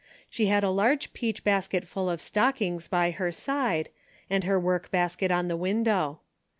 She had a large peach basket full of stockings by her side, and her workbasket on the window.